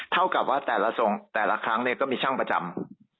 เท่ากับว่าแต่ละครั้งก็มีช่างประจำ